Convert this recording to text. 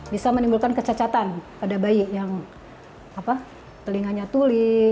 bisa menimbulkan kecacatan pada bayi yang telinganya tuli